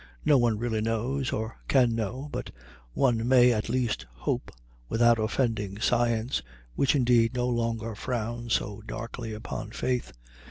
No one really knows, or can know, but one may at least hope, without offending science, which indeed no longer frowns so darkly upon faith.